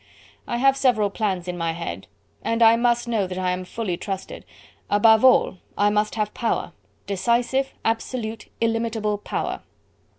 I have several plans in my head, and I must know that I am fully trusted. Above all, I must have power decisive, absolute, illimitable power."